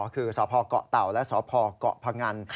คือสพเกาะเต่าและสพเกาะพงัน